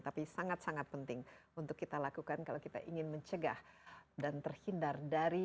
tapi sangat sangat penting untuk kita lakukan kalau kita ingin mencegah dan terhindar dari